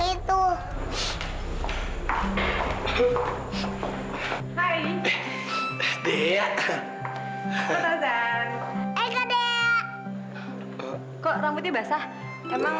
hai hai dek dek kok rambutnya basah emang